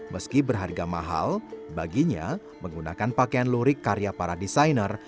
meski berharga mahal baginya menggunakan pakaian lurik karya para desainer